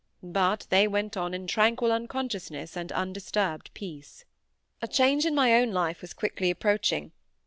But they went on in tranquil unconsciousness and undisturbed peace. A change in my own life was quickly approaching.